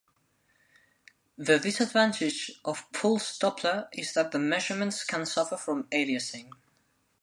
The disadvantage of pulsed Doppler is that the measurements can suffer from aliasing.